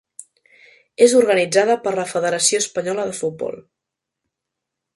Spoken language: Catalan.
És organitzada per la Federació Espanyola de Futbol.